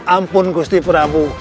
ampun gusti prabu